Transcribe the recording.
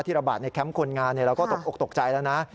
ระบาดในแคมป์คนงานเราก็ตกออกตกใจแล้วนะ